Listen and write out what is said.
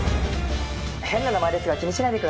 変な名前ですが気にしないでください。